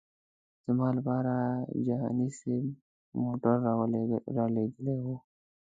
زما لپاره جهاني صاحب موټر رالېږلی و.